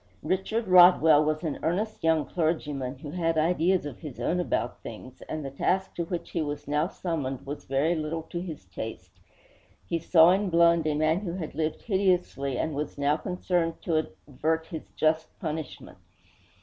Richard Rodwell was an earnest young clergyman, who had ideas of his own about things; and the task to which he was now summoned was very little to his taste. He saw in Blund a man who had lived hideously and was now concerned to avert his just punishment.